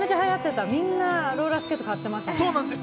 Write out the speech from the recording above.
みんなローラースケートを買ってましたもん。